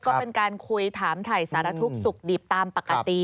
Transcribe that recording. ก็เป็นการคุยถามถ่ายสารทุกข์สุขดิบตามปกติ